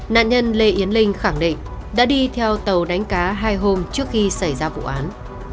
nạn nhân lê yến linh khẳng định đã đi theo tàu đánh cá hai hôm trước khi xảy ra vụ án